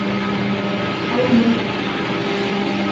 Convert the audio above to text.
Ҡалмығстан